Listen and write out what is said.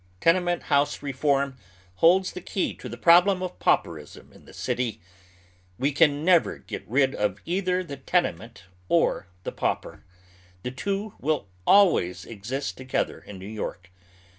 Tenement house reform holds the key to the problem of pauperism in the city. We can never get rid of either the tenement or the pau per. The two will always exist together in New York.